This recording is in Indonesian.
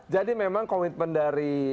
jadi memang komitmen dari